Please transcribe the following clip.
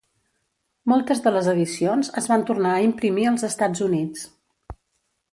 Moltes de les edicions es van tornar a imprimir als Estats Units.